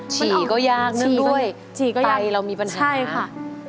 ฉีก็ยากนึกด้วยไตเรามีปัญหาใช่ค่ะมันออกฉีก็ยากฉีก็ยาก